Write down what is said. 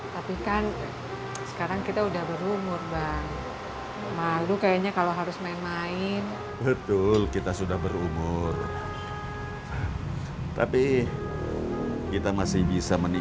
tapi kan sekarang kita sudah berumur bang